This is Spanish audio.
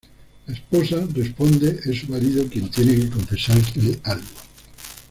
La esposa responde, es su marido quien tiene que confesarle algo.